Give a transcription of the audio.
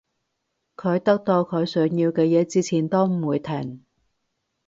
佢得到佢想要嘅嘢之前都唔會停